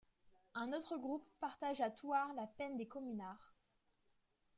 Un autre groupe partage à Thouars la peine des communards.